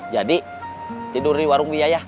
jadi tidur di warung biaya ya